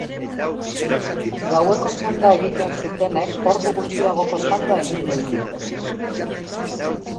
Gaueko txanda egiten zutenek ordu gutxiagoko txanda egin ohi zuten.